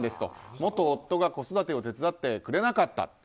元夫が子育てを手伝ってくれなかった。